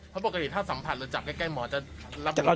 เพราะปกติถ้าสัมผัสเราจับใกล้หมอจะรับเหลือได้ไหม